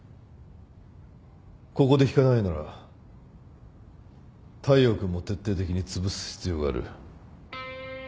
ここで引かないなら大陽君も徹底的につぶす必要がある